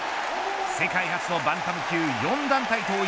世界初のバンタム級４団体統一